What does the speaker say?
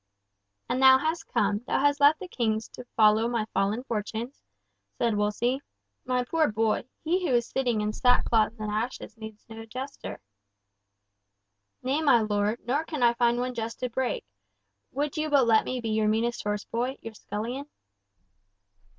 "And thou hast come, thou hast left the King to follow my fallen fortunes?" said Wolsey. "My poor boy, he who is sitting in sackcloth and ashes needs no jester." "Nay, my lord, nor can I find one jest to break! Would you but let me be your meanest horse boy, your scullion!"